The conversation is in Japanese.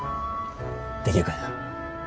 できるかいな。